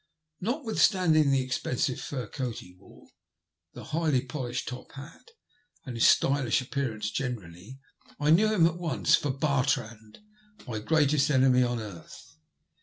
Notwithstanding the expensive fur coat he wore, the highly polished top hat, and his stylish appearance generally, I knew him at once for Bartrand, my greatest enemy on earth.